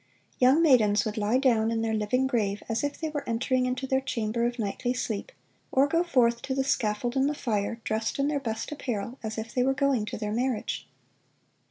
"Young maidens would lie down in their living grave as if they were entering into their chamber of nightly sleep; or go forth to the scaffold and the fire, dressed in their best apparel, as if they were going to their marriage."